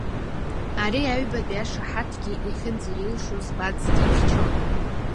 Ари, аҩбатәи ашаҳаҭгьы, иахьынӡаилшоз Баӡ дихьчон.